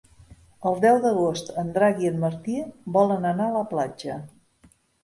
El deu d'agost en Drac i en Martí volen anar a la platja.